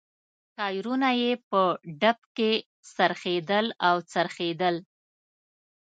ټایرونه یې په ډب کې څرخېدل او څرخېدل.